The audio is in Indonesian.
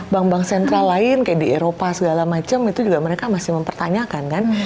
bank bank sentral lain kayak di eropa segala macam itu juga mereka masih mempertanyakan kan